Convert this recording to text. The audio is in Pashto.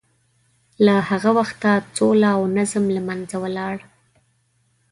له هغه وخته سوله او نظم له منځه ولاړ.